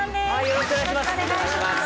よろしくお願いします